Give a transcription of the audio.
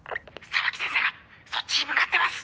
沢木先生がそっちに向かってます！